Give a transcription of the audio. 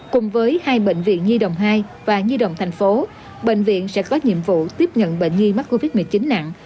cùng với hai bệnh viện nhi đồng hai và nhi đồng thành phố bệnh viện sẽ có nhiệm vụ tiếp nhận bệnh nhi mắc covid một mươi chín nặng